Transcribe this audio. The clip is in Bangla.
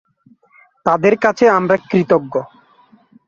তাদের কাছে আমরা কৃতজ্ঞ।